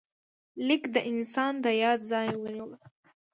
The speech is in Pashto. لیک د انسان د یاد ځای ونیو.